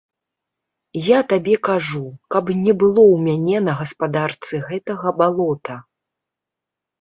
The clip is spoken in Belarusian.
Я табе кажу, каб не было ў мяне на гаспадарцы гэтага балота.